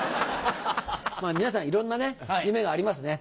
まぁ皆さんいろんな夢がありますね。